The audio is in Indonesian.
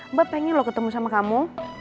mbak pengen loh ketemu sama kamu